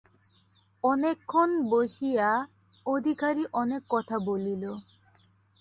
অনেকক্ষণ বসিয়া অধিকারী অনেক কথা বলিল।